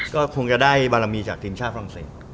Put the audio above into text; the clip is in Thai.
ก็คงจะได้บารมีจากทีมชาติฝรั่งเศส